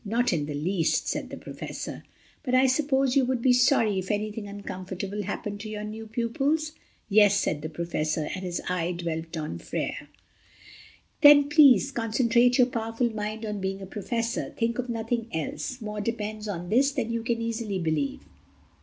"Not in the least," said the Professor. "But I suppose you would be sorry if anything uncomfortable happened to your new pupils?" "Yes," said the Professor, and his eye dwelt on Freia. "Then please concentrate your powerful mind on being a Professor. Think of nothing else. More depends on this than you can easily believe."